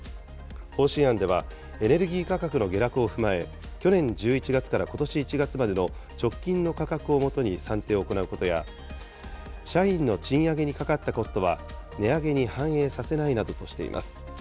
方針案ではエネルギー価格の下落を踏まえ、去年１１月からことし１月までの直近の価格をもとに算定を行うことや、社員の賃上げにかかったコストは値上げに反映させないなどとしています。